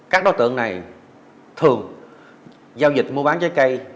các đối tượng này thường giao dịch mua bán trái cây